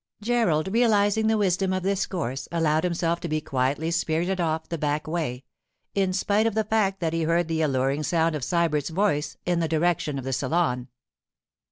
Gerald, realizing the wisdom of this course, allowed himself to be quietly spirited off the back way, in spite of the fact that he heard the alluring sound of Sybert's voice in the direction of the salon.